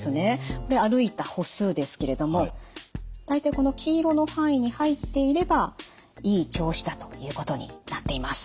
これ歩いた歩数ですけれども大体この黄色の範囲に入っていればいい調子だということになっています。